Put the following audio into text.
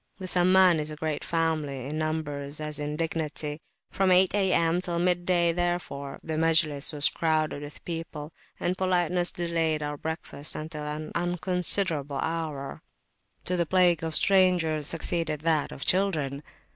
The Samman is a great family, in numbers as in dignity; from 8 A.M. till mid day therefore the Majlis was crowded with people, and politeness delayed our breakfasts until an unconscionable hour. To the plague of strangers succeeded that of children.